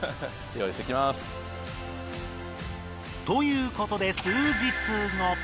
ということで数日後。